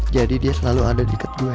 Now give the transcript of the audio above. jadi dia selalu ada di deket gue